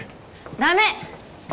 ダメ！